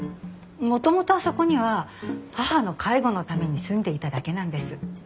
もともとあそこには母の介護のために住んでいただけなんです。